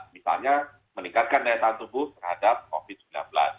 misalnya meningkatkan daya tahan tubuh terhadap covid sembilan belas